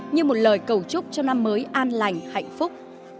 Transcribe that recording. như một lời cầu chúc cho năm mới an lành hạnh phúc